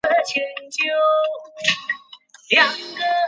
望麒麟育有独生女望阿参。